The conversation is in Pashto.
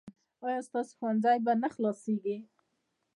ایا ستاسو ښوونځی به نه خلاصیږي؟